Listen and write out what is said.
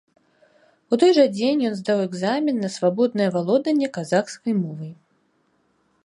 У той жа дзень ён здаў экзамен на свабоднае валоданне казахскім мовай.